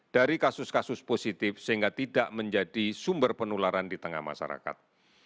dari kasus kasus positif sehingga tidak menjadi sumber penularan di tengah masyarakat